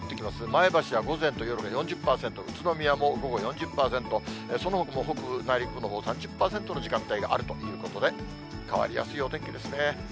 前橋は午前と夜が４０％、宇都宮も午後４０％、そのほかも北部、内陸部のほう３０％の時間帯があるということで、変わりやすいお天気ですね。